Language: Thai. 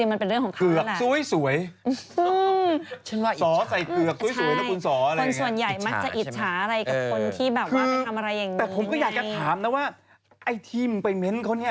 ไอ้ที่มึงไปเม้นต์เขาเนี่ย